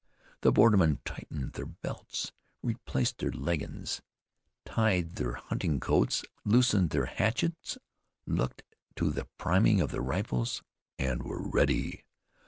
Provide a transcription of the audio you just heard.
The bordermen tightened their belts, replaced their leggings, tied their hunting coats, loosened their hatchets, looked to the priming of their rifles, and were ready.